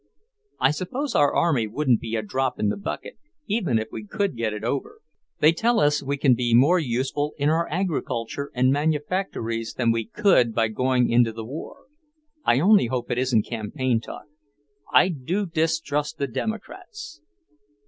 I suppose our army wouldn't be a drop in the bucket, even if we could get it over. They tell us we can be more useful in our agriculture and manufactories than we could by going into the war. I only hope it isn't campaign talk. I do distrust the Democrats."